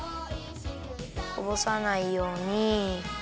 こぼさないように。